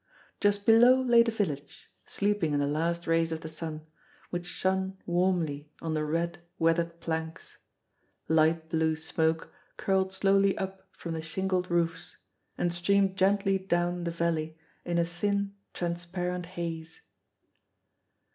Just below lay the village, sleeping in the last rays of the sun, which shone warmly on the red, weathered planks. Light blue smoke curled slowly up from the shingled roofs, and streamed gently down the valley in a thin, transparent haze.